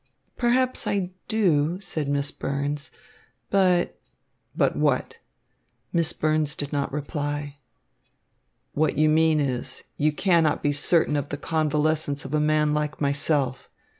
"Perhaps I do," said Miss Burns, "but" "But what?" Miss Burns did not reply. "What you mean is, you cannot be certain of the convalescence of a man like myself.